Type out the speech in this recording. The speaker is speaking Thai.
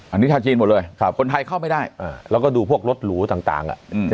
อันนี้ชาวจีนหมดเลยคนไทยเข้าไม่ได้แล้วก็ดูพวกรถหรูต่าง